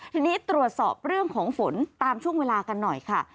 ทีนี้ตรวจสอบเรื่องของฝนตามช่วงเวลากันหน่อยค่ะ